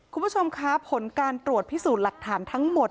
คุณผู้ชมคะผลการตรวจพิสูจน์หลักฐานทั้งหมด